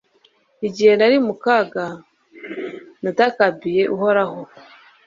Igihe nari mu kaga natakambiye Uhoraho